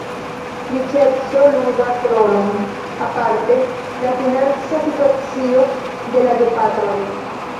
Riĉeco ludas rolon, aparte la financa situacio de la gepatroj.